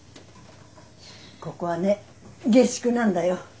ここはね下宿なんだよ。